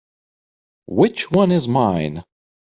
Which one is mine?